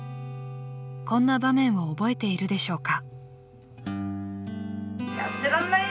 ［こんな場面を覚えているでしょうか？］